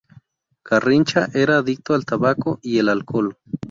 Garrincha era adicto al tabaco y el alcohol.